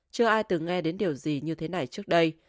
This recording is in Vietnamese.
chưa ai từng nghe đến điều gì như thế này trước đây